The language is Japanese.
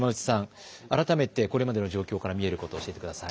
改めてこれまでの状況から見えること教えてください。